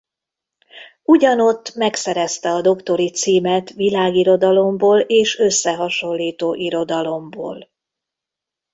Ugyanott megszerezte a doktori címet világirodalomból és összehasonlító irodalomból.